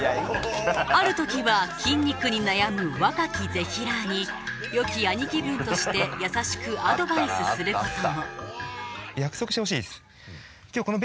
あるときは筋肉に悩む若きぜひらーに良き兄貴分として優しくアドバイスすることもきょうはい。